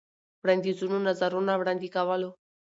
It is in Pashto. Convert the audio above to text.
وړاندیزونو ، نظرونه وړاندې کولو.